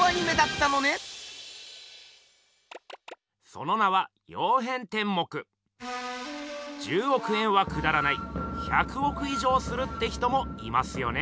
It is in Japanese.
その名は１０億円はくだらない１００億以上するって人もいますよね。